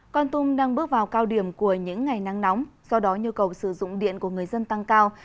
con tum đang bước vào cao điểm của những ngày nắng nóng do đó nhu cầu sử dụng điện của người dân tăng cao